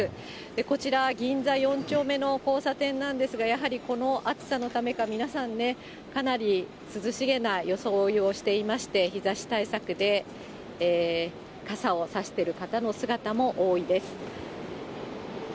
こちら銀座四丁目の交差点なんですが、やはりこの暑さのためか、皆さんね、かなり涼しげな装いをしていまして、日ざし対策で傘を差してる方の姿も多いです。